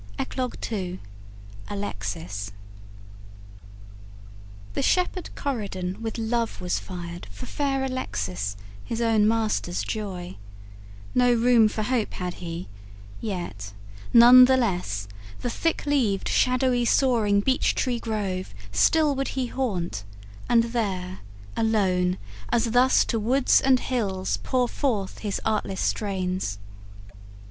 ECLOGUE II ALEXIS The shepherd Corydon with love was fired For fair Alexis, his own master's joy: No room for hope had he, yet, none the less, The thick leaved shadowy soaring beech tree grove Still would he haunt, and there alone, as thus, To woods and hills pour forth his artless strains.